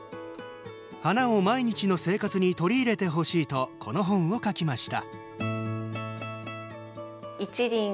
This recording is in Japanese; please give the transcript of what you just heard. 花を毎日の生活に取り入れてほしいとこの本を書きました。